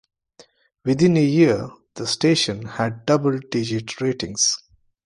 Within a year the station had double-digit ratings.